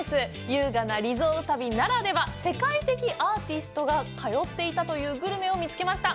優雅なリゾート旅ならでは、世界的アーティストが通っていたというグルメを見つけました。